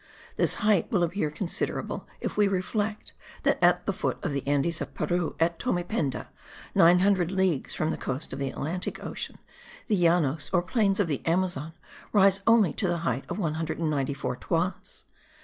This height will appear considerable if we reflect that at the foot of the Andes of Peru, at Tomependa, 900 leagues from the coast of the Atlantic Ocean, the Llanos or plains of the Amazon rise only to the height of 194 toises.